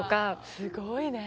すごいね。